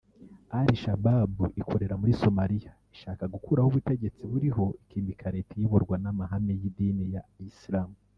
Al-Shabab ikorera muri Somalia ishaka gukuraho ubutegetsi buriho ikimika Leta iyoborwa n’amahame y’idini ya Islam